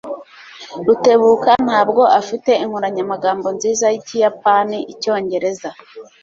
Rutebuka ntabwo afite inkoranyamagambo nziza yikiyapani-Icyongereza.